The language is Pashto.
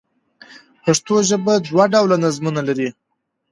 پښتو ژبه دوه ډوله نظمونه لري.